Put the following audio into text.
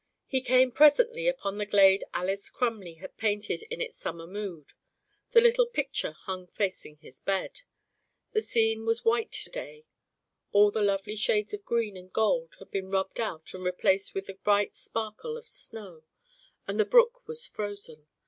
He came presently upon the glade Alys Crumley had painted in its summer mood; the little picture hung facing his bed. The scene was white to day; all the lovely shades of green and gold had been rubbed out and replaced with the bright sparkle of snow, and the brook was frozen.